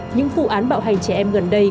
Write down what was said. những vụ án bạo hành trẻ em gần đây